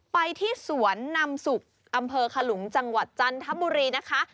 ไปที่สวนนำสุกอำเภอขลุงจังหวัดจันทบุรีนะคะ